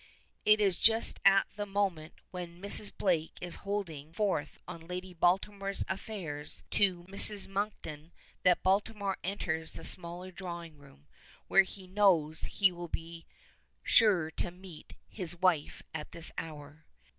It is just at the moment when Mrs. Blake is holding forth on Lady Baltimore's affairs to Mrs. Monkton that Baltimore enters the smaller drawing room, where he knows he will be sure to meet his wife at this hour.